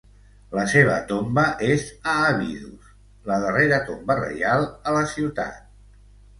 La seva tomba és a Abidos, la darrera tomba reial a la ciutat.